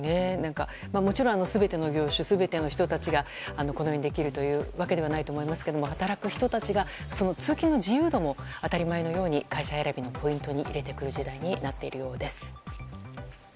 もちろん全ての業種の人たちがこのようにできるとは思いませんが働く人たちが通勤の自由度も当たり前のように会社選びのポイントに入れてくる時代になっているようです。